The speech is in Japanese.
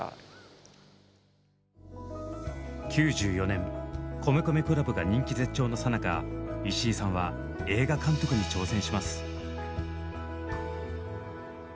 ９４年米米ＣＬＵＢが人気絶頂のさなか石井さんは映画監督に挑戦します。